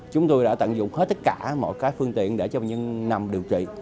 chúng tôi đã tận dụng hết tất cả mọi phương tiện để cho bệnh nhân nằm điều trị